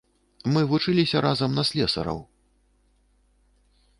Мы вучыліся разам на слесараў.